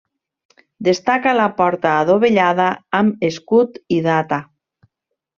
Destaca la porta adovellada amb escut i data.